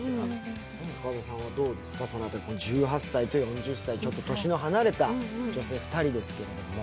深田さんはどうですか、１８歳と４０歳、年の離れた女性２人ですけど。